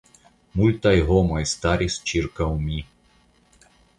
Multaj homoj staris ĉirkaŭ mi.